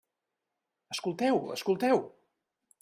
Escolteu, escolteu!